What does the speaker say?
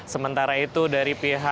sementara itu dari pihak